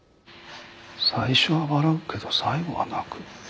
最初は笑うけど最後は泣く。